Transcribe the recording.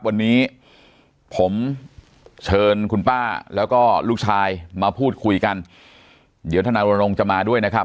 วันนี้ผมเชิญคุณป้าแล้วก็ลูกชายมาพูดคุยกันเดี๋ยวทนายรณรงค์จะมาด้วยนะครับ